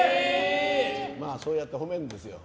まあそうやって褒めるんですよ。